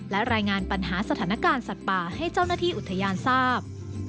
และรายงานปัญหาสถานการณ์สัตว์ป่าให้เจ้าหน้าที่อุทยานทราบ